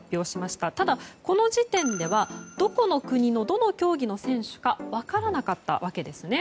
ただ、この時点ではどこの国の、どの競技の選手か分からなかったわけですね。